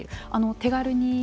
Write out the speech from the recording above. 手軽に。